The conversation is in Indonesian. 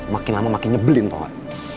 makin lama makin nyebelin tau gak